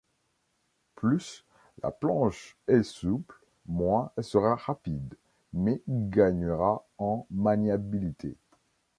Plus la planche est souple moins elle sera rapide, mais gagnera en maniabilité.